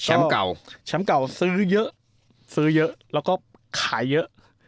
เก่าแชมป์เก่าซื้อเยอะซื้อเยอะแล้วก็ขายเยอะ